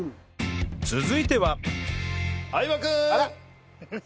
続いては